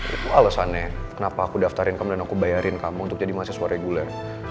itu alasannya kenapa aku daftarin kamu dan aku bayarin kamu untuk jadi mahasiswa reguler